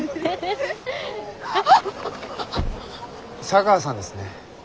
茶川さんですね。